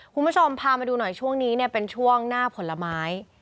คุณผู้ชมพามาดูหน่อยช่วงนี้เนี่ยเป็นช่วงหน้าผลไม้